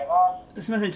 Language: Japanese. すみません。